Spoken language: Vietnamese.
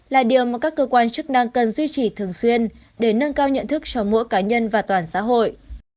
là điều mà các cơ quan chức năng cần duy trì thường xuyên để nâng cao nhận thức cho mỗi cá nhân và toàn xã hội